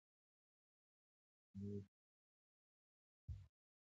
هغه د دستار په شف باندې خپلې اوښکې پاکې کړې.